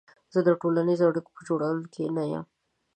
زه د ټولنیزو اړیکو په جوړولو کې نه یم.